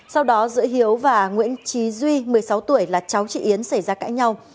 sau đó giữa hiếu và nguyễn trí duy một mươi sáu tuổi là cháu chị yến xảy ra cãi nhau